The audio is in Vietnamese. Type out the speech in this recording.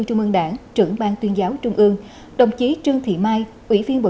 trung ương đảng trưởng ban tuyên giáo trung ương đồng chí trương thị mai ủy viên bộ